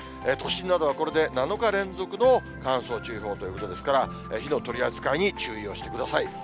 都心などはこれで７日連続の乾燥注意報ということですから、火の取り扱いに注意をしてください。